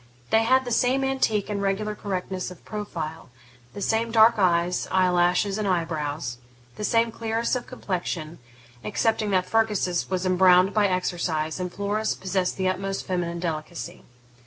They had the same antique and regular correctness of profile; the same dark eyes, eye lashes, and eye brows; the same clearness of complexion, excepting that Fergus's was embrowned by exercise and Flora's possessed the utmost feminine delicacy.